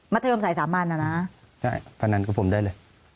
มัธยมใส่๓อันแล้วนะฮะพันธนกับผมได้เลย